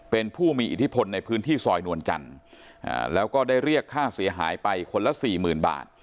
เป็นผู้มีอิทธิพลในพื้นที่ซอยนวลจันทร์แล้วก็ได้เรียกค่าเสียหายไปคนละสี่หมื่นบาท